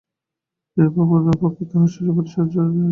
নিরুপমার পক্ষে তাহার শ্বশুরবাড়ি শরশয্যা হইয়া উঠিল।